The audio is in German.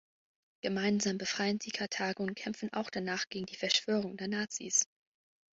Gemeinsam befreien sie Karthago und kämpfen auch danach gegen die Verschwörung der Nazis.